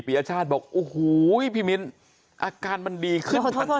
ปริญญาชาติบอกโอ้โหพี่มิ้นอาการมันดีขึ้นพันธา